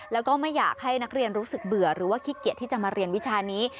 แล้วก็ไม่อยากให้นักเรียนรู้สึกเบื่อหรือว่าขี้เกียจที่จะมาเรียนวิชานี้